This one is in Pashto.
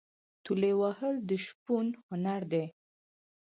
تولې وهل د شپون هنر دی.